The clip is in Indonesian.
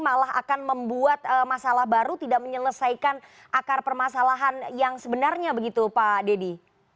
malah akan membuat masalah baru tidak menyelesaikan akar permasalahan yang sebenarnya begitu pak dedy